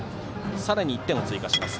さらに１点を追加します。